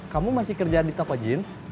kamu masih kerja di toko jeans